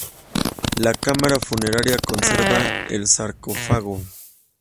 La cámara funeraria conserva el sarcófago.